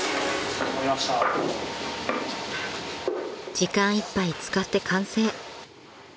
［時間いっぱい使って完成］